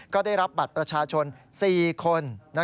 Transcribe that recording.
ก็ได้รับบัตรประชาชน๔คน